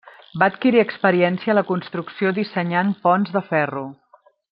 Va adquirir experiència en la construcció dissenyant ponts de ferro.